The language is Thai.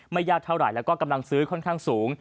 ยากเท่าไหร่แล้วก็กำลังซื้อค่อนข้างสูง